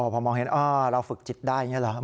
พอมองเห็นเราฝึกจิตได้อย่างนี้เหรอ